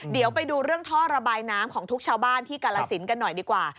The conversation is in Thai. เดี๋ยวไปดูเรื่องท่อระบายน้ำของทุกชาวบ้านที่กาลสินกันหน่อยดีกว่า